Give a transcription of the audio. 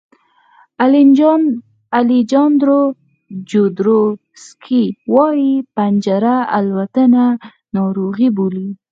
الیجاندرو جودروسکي وایي پنجره الوتنه ناروغي بولي.